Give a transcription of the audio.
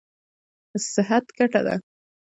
صحت ګټه ده.